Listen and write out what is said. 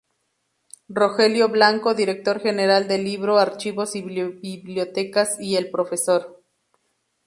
Rogelio Blanco, Director General del Libro, Archivos y Bibliotecas, y el prof.